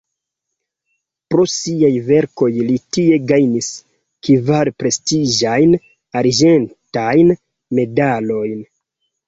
Pro siaj verkoj li tie gajnis kvar prestiĝajn arĝentajn medalojn.